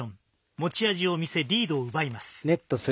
持ち味を見せリードを奪います。